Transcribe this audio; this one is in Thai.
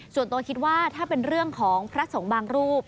ส่วนตัวคิดว่าถ้าเป็นเรื่องของพระสงฆ์บางรูป